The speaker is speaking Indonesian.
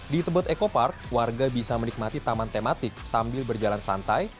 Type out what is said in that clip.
di tebet eco park warga bisa menikmati taman tematik sambil berjalan santai